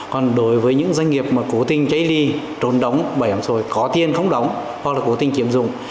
còn đối với những doanh nghiệp mà cố tình chây ly trốn đóng bảo hiểm xã hội có tiền không đóng hoặc là cố tình chiếm dụng